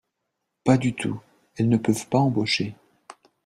Pas du tout, elles ne peuvent pas embaucher